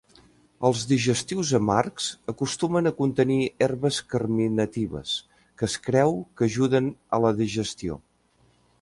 Els digestius amargs acostumen a contenir herbes carminatives, que es creu que ajuden a la digestió.